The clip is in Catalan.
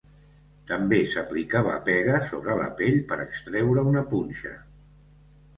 També s'aplicava pega sobre la pell per extreure una punxa.